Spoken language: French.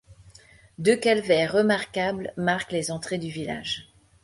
Deux calvaires remarquables marquent les entrées du village.